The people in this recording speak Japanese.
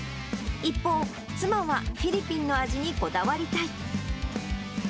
一方、妻はフィリピンの味にこだわりたい。